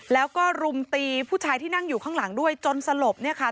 แล้วก็รุมตีผู้ชายที่นั่งอยู่ข้างหลังด้วยจนสลบเนี่ยค่ะ